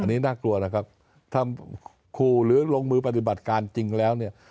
อันนี้น่ากลัวนะครับถ้าคู่หรือลงมือปฏิบัติการจริงแล้วเนี่ย